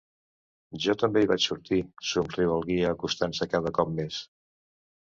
Jo també hi vaig sortir, somriu el guia acostant-se cada cop més.